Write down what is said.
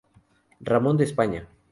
Ramón de España.